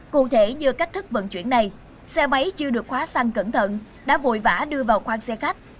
cụ thể như cách thức vận chuyển này xe máy chưa được khóa xăng cẩn thận đã vội vã đưa vào khoang xe khách